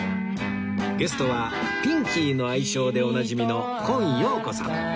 ゲストはピンキーの愛称でおなじみの今陽子さん